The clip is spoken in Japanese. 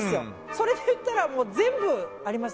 それで言ったら、全部あります。